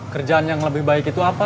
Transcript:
kerjaan yang lebih baik itu apa